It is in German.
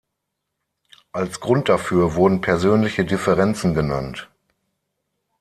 Als Grund dafür wurden persönliche Differenzen genannt.